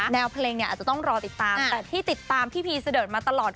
แนวเพลงเนี่ยอาจจะต้องรอติดตามแต่ที่ติดตามพี่พีเสดิร์ดมาตลอด